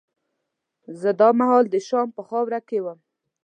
زه دا مهال د شام په خاوره کې وم.